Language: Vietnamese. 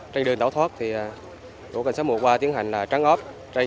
trên đường tàu thoát lực lượng cảnh sát một trăm một mươi ba tiến hành trắng ốp